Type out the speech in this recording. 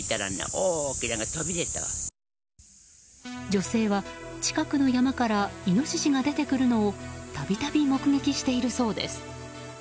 女性は近くの山からイノシシが出てくるのをたびたび目撃しているそうです。